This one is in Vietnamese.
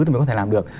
thì mới có thể làm được